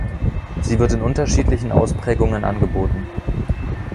Sie wird in unterschiedlichen Ausprägungen angeboten.